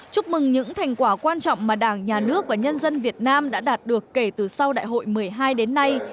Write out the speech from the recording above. chúc mừng những thành quả quan trọng mà đảng nhà nước và nhân dân việt nam đã đạt được kể từ sau đại hội một mươi hai đến nay